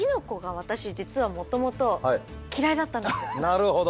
なるほど。